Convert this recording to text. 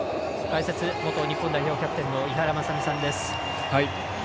解説、元日本代表キャプテンの井原正巳さんです。